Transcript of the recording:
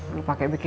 lu pake bikin bikin